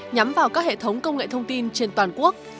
nhắm vào các hệ thống công nghệ thông tin trên toàn quốc